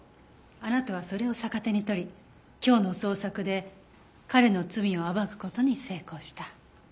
あなたはそれを逆手に取り今日の捜索で彼の罪を暴く事に成功した。